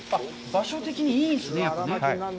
場所的にいいんですね、やっぱり。